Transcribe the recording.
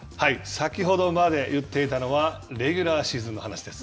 先ほどまで言ってたのは、レギュラーシーズンの話です。